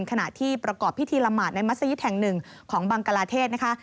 ขณะที่ประกอบพิธีละหมาดในมัศยิตแห่งหนึ่งของบังกลาเทศนะคะ